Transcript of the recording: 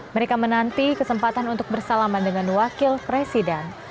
mereka menanti kesempatan untuk bersalaman dengan wakil presiden